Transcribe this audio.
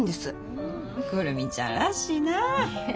久留美ちゃんらしいな。